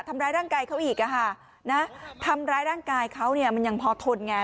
ทำร้ายร่างกายเขาอีกอ่ะค่ะนะทำร้ายร่างกายเขาเนี่ยมันยังพอทนไง